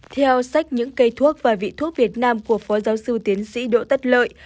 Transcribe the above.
theo sách những cây thuốc và vị thuốc việt nam của phó giáo sư tiến sĩ đỗ tất lợi